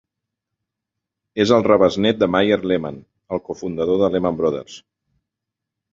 És el rebesnet de Mayer Lehman, el cofundador de Lehman Brothers.